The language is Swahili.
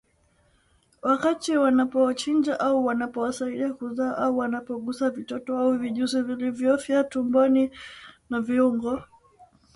wakati wanapowachinja au wanapowasaidia kuzaa au wanapogusa vitoto au vijusi vilivyofia tumboni na viungo